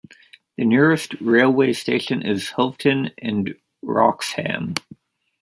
The nearest railway station is 'Hoveton and Wroxham'.